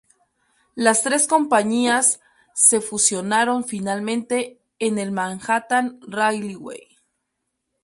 Las tres compañías se fusionaron finalmente en el Manhattan Railway.